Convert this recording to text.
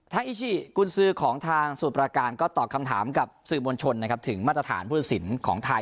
ทางอิชิกุลซือของทางสูตรประการก็ตอบคำถามกับสื่อมวลชนถึงมาตรฐานภูมิสินของไทย